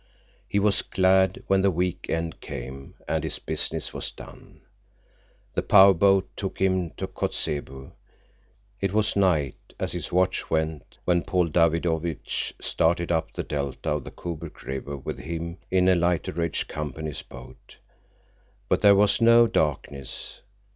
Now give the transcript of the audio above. He was glad when the week end came and his business was done. The power boat took him to Kotzebue. It was night, as his watch went, when Paul Davidovich started up the delta of the Kobuk River with him in a lighterage company's boat. But there was no darkness.